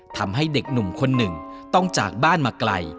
ทำให้เด็กหนุ่มคนหนึ่งต้องจากบ้านมาไกล